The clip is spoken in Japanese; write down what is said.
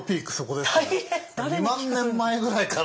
２万年前ぐらいから。